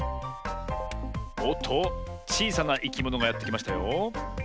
おっとちいさないきものがやってきましたよ。